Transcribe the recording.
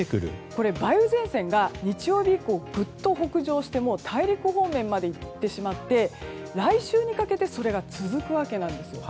梅雨前線が日曜日以降ぐっと北上して大陸方面まで行ってしまって来週にかけてそれが続くわけなんですよ。